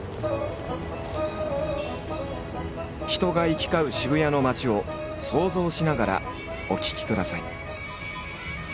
人が行き交う渋谷の街を想像しながらお聞きください。